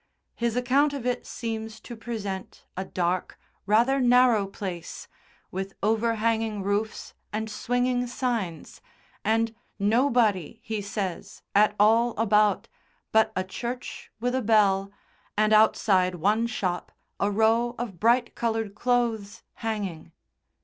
His account of it seems to present a dark, rather narrow place, with overhanging roofs and swinging signs, and nobody, he says, at all about, but a church with a bell, and outside one shop a row of bright coloured clothes hanging.